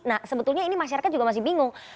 nah sebetulnya ini masyarakat juga masih bingung